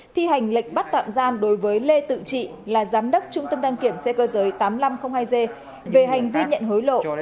thi hành lệnh bắt tạm giam đối với lê tự trị là giám đốc trung tâm đăng kiểm xe cơ giới tám nghìn năm trăm linh hai g về hành vi nhận hối lộ